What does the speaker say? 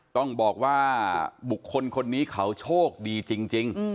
ต้องบอกว่าบุคคลคนนี้เขาโชคดีจริง